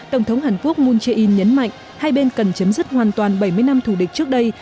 tổng thống hàn quốc moon jae in nhấn mạnh hai bên cần chấm dứt hoàn toàn bảy mươi năm thủ địch trước đây